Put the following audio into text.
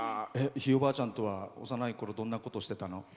ひいおばあちゃんとは幼いころ、どんなことしてたの？